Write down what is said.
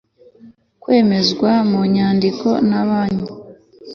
kwemezwa mu nyandiko na banki